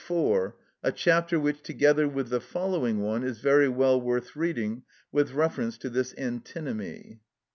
4, a chapter which, together with the following one, is very well worth reading with reference to this antinomy.